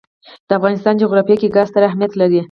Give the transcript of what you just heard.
د افغانستان جغرافیه کې ګاز ستر اهمیت لري.